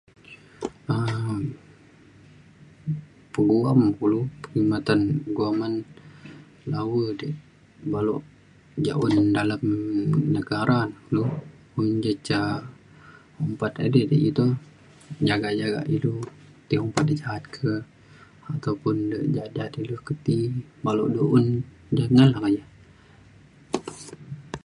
um peguam na kulu khidmatan guaman [unintelligible] balok ja un um dalem negara kulu men je ca [unintelligible] jagak jagak ilu ti ja’at ke ataupun de ja’at ja’at ilu ke ti perlu du un [unintelligible]